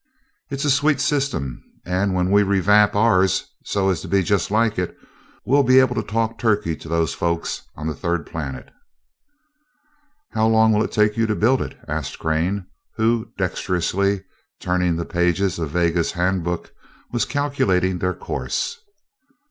It's a sweet system and when we revamp ours so as to be just like it, we'll be able to talk turkey to those folks on the third planet." "How long will it take you to build it?" asked Crane, who, dexterously turning the pages of "Vega's Handbuch" was calculating their course.